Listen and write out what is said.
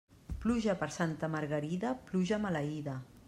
Pluja per Santa Margarida, pluja maleïda.